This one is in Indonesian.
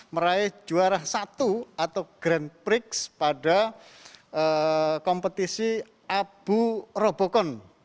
meraih juara satu atau grand prix pada kompetisi abu robocon